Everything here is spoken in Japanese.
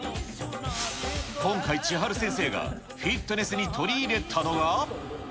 今回、千晴先生がフィットネスに取り入れたのが。